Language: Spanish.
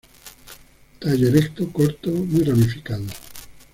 Tallo erecto, corto, muy ramificado.